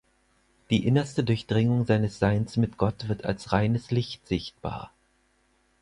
Die innerste Durchdringung seines Seins mit Gott wird als reines Licht sichtbar.